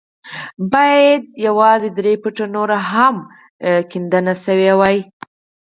بايد يوازې درې فوټه نور هم کيندنې شوې وای.